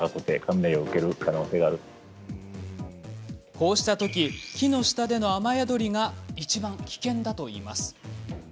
こうしたとき木の下での雨宿りがいちばん危険だといいます。